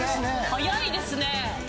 早いですね。